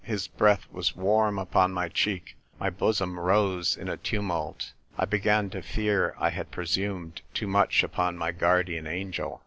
His breath was warm upon my cheek. My bosom rose in a tumult. I began to fear I had presumed too much upon my guardian angel.